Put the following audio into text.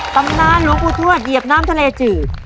ตำนานหลวงปู่ทวดเหยียบน้ำทะเลจืด